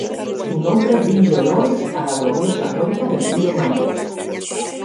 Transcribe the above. Su nombre rinde honores a la gloriosa cuenca del río Maipo.